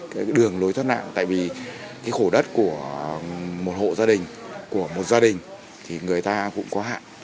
cái đường lối thoát nạn tại vì cái khổ đất của một hộ gia đình của một gia đình thì người ta cũng có hạn